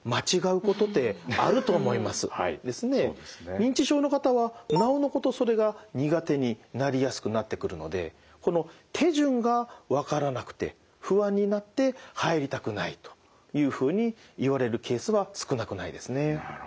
認知症の方はなおのことそれが苦手になりやすくなってくるのでこの手順がわからなくて不安になって入りたくないというふうに言われるケースは少なくないですね。